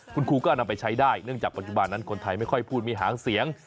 คุณครูก็นำไปใช้ได้เนื่องจากปัจจุบันนั้นคนไทยไม่ค่อยพูดมีหางเสียง